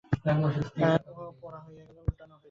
উহাও পড়া হইয়া গেল এবং উলটান হইল।